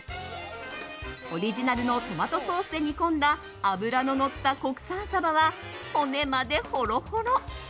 オリジナルのトマトソースで煮込んだ脂ののった国産サバは骨まで、ほろほろ。